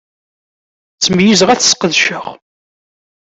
Ttmeyyizeɣ ad t-ssqedceɣ.